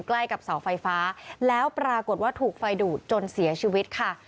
ใกล้กับเสาไฟฟ้าแล้วปรากฏว่าถูกไฟดูดจนเสียชีวิตค่ะ